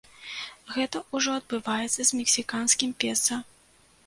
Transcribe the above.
Гэта ўжо адбываецца з мексіканскім песа.